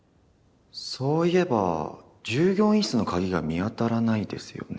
そういえば従業員室の鍵が見当たらないですよね。